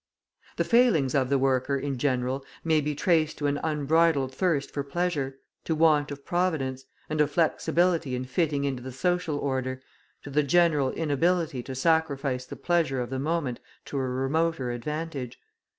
The failings of the workers in general may be traced to an unbridled thirst for pleasure, to want of providence, and of flexibility in fitting into the social order, to the general inability to sacrifice the pleasure of the moment to a remoter advantage.